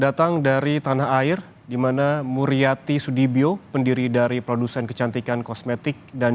datang dari tanah air dimana muriati sudibyo pendiri dari produsen kecantikan kosmetik dan